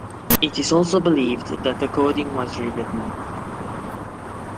It is also believed that the coding was rewritten.